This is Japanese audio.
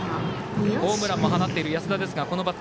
ホームランも放っている安田です。